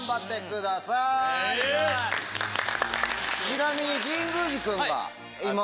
ちなみに。